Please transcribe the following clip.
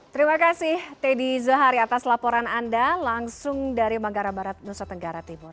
terima kasih teddy zahari atas laporan anda langsung dari manggara barat nusa tenggara timur